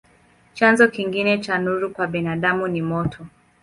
Chanzo kingine cha nuru kwa binadamu ni moto.